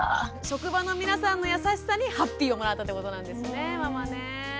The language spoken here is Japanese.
職場の皆さんの優しさにハッピーをもらったってことなんですねママね。